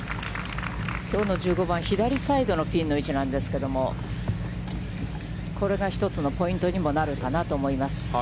きょうの１５番、左サイドのピンの位置なんですけれども、これが１つのポイントにもなるかなと思います。